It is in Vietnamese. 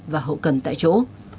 và hậu cần tại chỗ